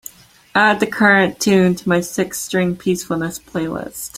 add the current tune to my Six string peacefulness playlist